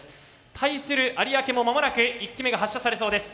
対する有明も間もなく１機目が発射されそうです。